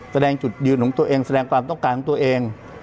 แสดงจุดยืนของตัวเองแสดงความต้องการของตัวเอง